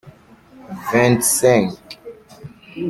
Vingt-cinq.